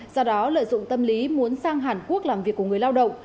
do đó lợi dụng tâm lý muốn sang hàn quốc làm việc của người lao động